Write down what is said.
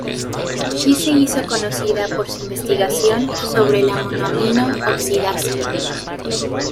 Shih se hizo conocida por su investigación sobre la monoamino oxidasa.